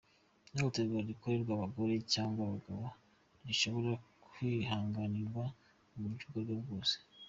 Ihohotera rikorerwa abagore cyangwa abakobwa ntirishobora kwihanganirwa mu buryo ubwo ari bwo bwose.